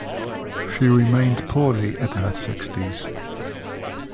She remained poorly at her sixties.